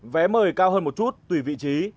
vé mời cao hơn một chút tùy vị trí